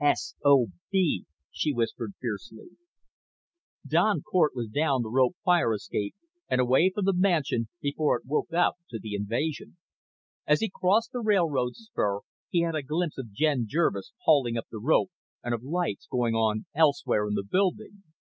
"S.O.B.!" she whispered fiercely. Don Cort was down the rope fire escape and away from the mansion before it woke up to the invasion. As he crossed the railroad spur he had a glimpse of Jen Jervis hauling up the rope and of lights going on elsewhere in the building.